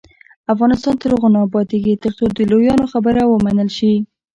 افغانستان تر هغو نه ابادیږي، ترڅو د لویانو خبره ومنل شي.